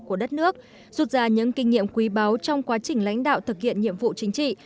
của đất nước rút ra những kinh nghiệm quý báu trong quá trình lãnh đạo thực hiện nhiệm vụ chính trị